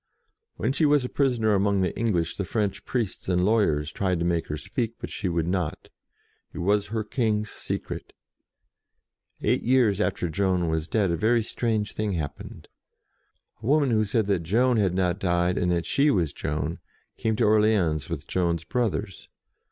When she was a prisoner among the English, the French priests and lawyers tried to make her speak, but she would not. It was her King's secret. Eight years after Joan was dead, a very 30 JOAN OF ARC strange thing happened. A woman who said that Joan had not died, and that she was Joan, came to Orleans with Joan's brothers.